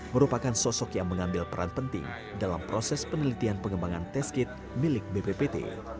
merupakan sosok yang mengambil peran penting dalam proses penelitian pengembangan test kit milik bppt